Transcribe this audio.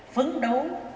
phấn đấu hoàn hảo